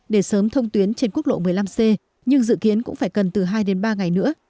để sớm thông tuyến trên quốc lộ một mươi năm c nhưng dự kiến cũng phải cần từ hai đến ba ngày nữa